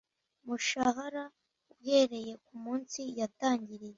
mushahara uhereye ku munsi yatangiriye